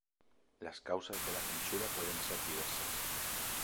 Las causas de la censura pueden ser diversas.